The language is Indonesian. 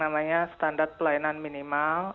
namanya standar pelayanan minimal